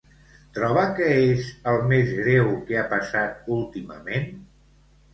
Troba que és el més greu que ha passat últimament?